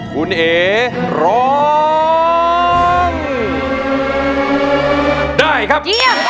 คุณเอ๋ร้องได้ครับ